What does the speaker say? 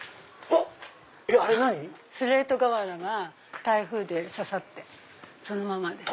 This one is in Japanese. スレート瓦が台風で刺さってそのままです。